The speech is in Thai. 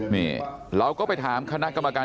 นี่เราก็ไปถามคณะกรรมการ